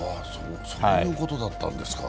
そういうことだったんですか。